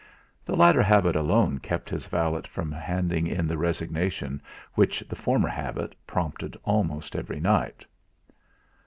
The latter habit alone kept his valet from handing in the resignation which the former habit prompted almost every night.